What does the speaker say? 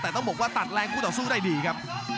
แต่ต้องบอกว่าตัดแรงคู่ต่อสู้ได้ดีครับ